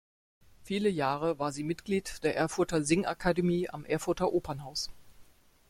Viele Jahre war sie Mitglied der Erfurter Singakademie am Erfurter Opernhaus.